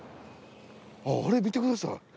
あっあれ見てください。